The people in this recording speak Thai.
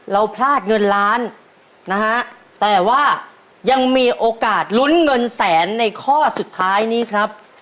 เราพลาดเงินล้านนะฮะแต่ว่ายังมีโอกาสลุ้นเงินแสนในข้อสุดท้ายนี้ครับ